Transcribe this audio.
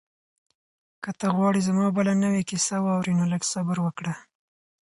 که ته غواړې چې زما بله نوې کیسه واورې نو لږ انتظار وکړه.